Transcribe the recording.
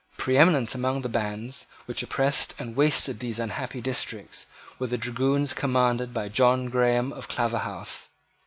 Preeminent among the bands which oppressed and wasted these unhappy districts were the dragoons commanded by John Graham of Claverhouse.